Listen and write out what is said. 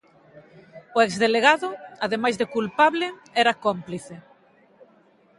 O exdelegado, ademais de culpable, era cómplice.